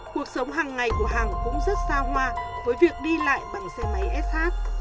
cuộc sống hàng ngày của hàng cũng rất xa hoa với việc đi lại bằng xe máy sh